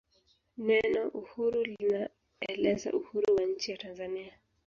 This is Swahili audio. neno uhuru linaeleza uhuru wa nchi ya tanzania